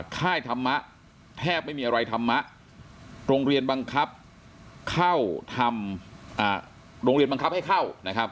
ค่ายธรรมะแทบไม่มีอะไรธรรมะโรงเรียนบังคับให้เข้า